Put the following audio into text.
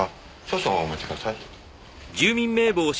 少々お待ちください。